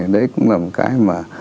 đấy cũng là một cái